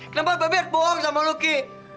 kenapa bapak harus bohong sama lu ki